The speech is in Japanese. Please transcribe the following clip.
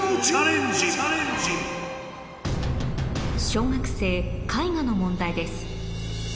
小学生絵画の問題です